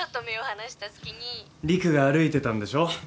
陸が歩いてたんでしょ？